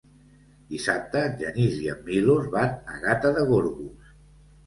Dissabte en Genís i en Milos van a Gata de Gorgos.